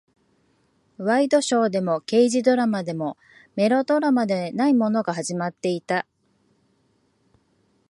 ワイドショーでも、刑事ドラマでも、メロドラマでもないものが始まっていた。